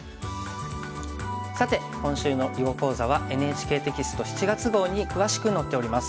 さて今週の囲碁講座はＮＨＫテキスト７月号に詳しく載っております。